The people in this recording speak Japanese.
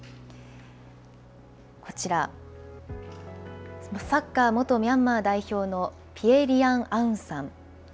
こちら、サッカー元ミャンマー代表のピエ・リアン・アウンさん。